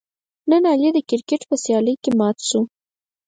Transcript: نن علي د کرکیټ په سیالۍ کې مات شو.